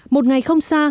một ngày không xa